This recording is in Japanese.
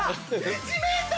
１ｍ！